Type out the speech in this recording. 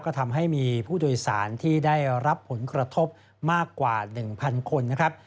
ก็ทำให้มีผู้โดยสารที่ได้รับผลกระทบมากกว่า๑๐๐คนนะครับ